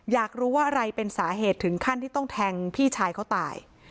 อยากรู้ว่าอะไรเป็นสาเหตุถึงขั้นที่ต้องแทงพี่ชายเขาตาย